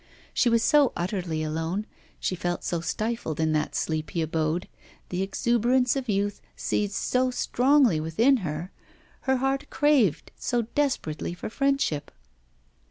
She was so utterly alone, she felt so stifled in that sleepy abode, the exuberance of youth seethed so strongly within her, her heart craved so desperately for friendship!